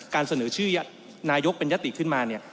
เสนอชื่อนายกเป็นยติขึ้นมาเนี่ย